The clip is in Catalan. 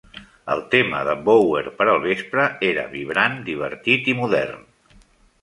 El tema de Bower per al vespre era "vibrant, divertit i modern".